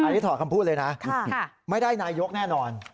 อันนี้ถอดคำพูดเลยนะไม่ได้นายกแน่นอน